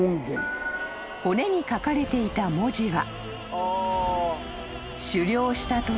［骨に書かれていた文字は］